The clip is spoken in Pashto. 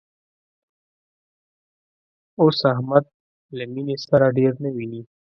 اوس احمد له مینې سره ډېر نه ویني